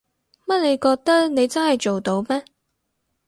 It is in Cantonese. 乜你覺得你真係做到咩？